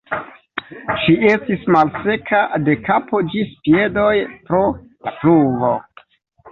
Ŝi estis malseka de kapo ĝis piedoj pro la pluvo.